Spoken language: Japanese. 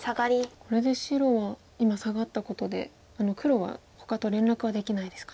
これで白は今サガったことであの黒はほかと連絡はできないですか。